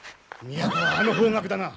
都はあの方角だな？